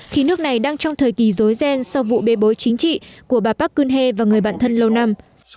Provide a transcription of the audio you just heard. khi nước này đang trong thời kỳ dối ghen sau vụ bê bối chính trị của bà park kune và người bạn thân lâu năm